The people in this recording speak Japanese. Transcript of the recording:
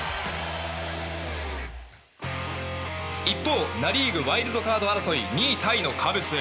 一方、ナ・リーグワイルドカード争い２位タイのカブス。